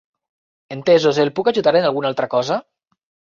Entesos, el puc ajudar en alguna altra cosa?